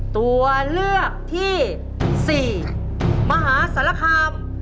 ตัวเลือกที่๔มหาสารคาม